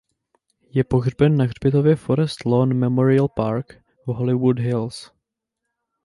Je pohřben na hřbitově Forest Lawn Memorial Park v Hollywood Hills.